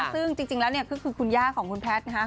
ซึ่งจริงแล้วก็คือคุณย่าของคุณแพทย์